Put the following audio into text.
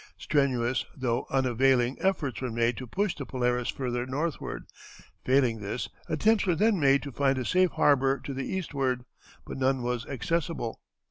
Strenuous, though unavailing, efforts were made to push the Polaris further northward; failing this, attempts were then made to find a safe harbor to the eastward, but none was accessible.